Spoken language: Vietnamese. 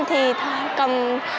thì thầy cầm